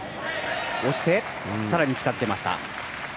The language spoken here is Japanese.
押してさらに近づけました。